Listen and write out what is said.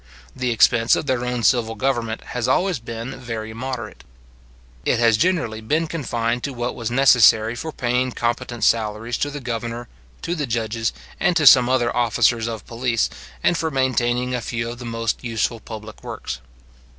The expense of their own civil government has always been very moderate. It has generally been confined to what was necessary for paying competent salaries to the governor, to the judges, and to some other officers of police, and for maintaining a few of the most useful public works.